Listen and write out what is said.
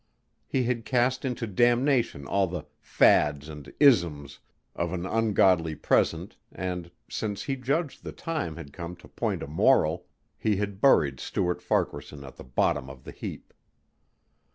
He had cast into damnation all the "fads" and "isms" of an ungodly present and, since he judged the time had come to point a moral, he had buried Stuart Farquaharson at the bottom of the heap.